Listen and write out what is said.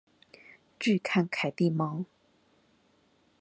拒看凱蒂貓